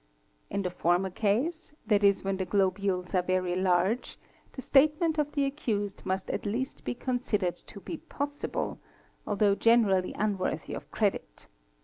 In the former case, | i.e., when the globules are very large, the statement of the accused must / at least be considered to be possible, although generally unworthy of credit.